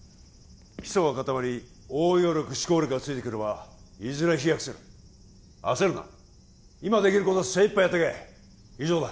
基礎が固まり応用力思考力がついてくればいずれ飛躍する焦るな今できることを精いっぱいやってけ以上だ